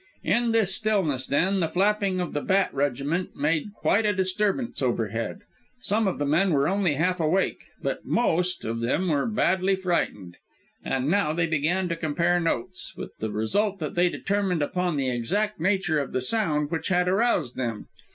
"In this stillness, then, the flapping of the bat regiment made quite a disturbance overhead. Some of the men were only half awake, but most, of them were badly frightened. And now they began to compare notes, with the result that they determined upon the exact nature of the sound which had aroused them.